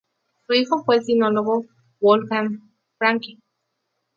Su hijo fue el sinólogo Wolfgang Franke.